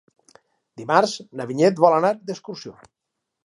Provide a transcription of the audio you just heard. Dimarts na Vinyet vol anar d'excursió.